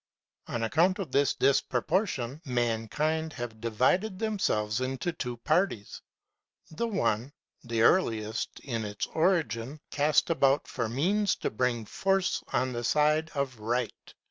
On account of this disproportion, mankind have divided themselves into two parties. The one — the earliest in its origin — cast about for means to bring force on the side of right.